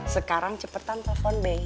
sekarang cepetan telepon bey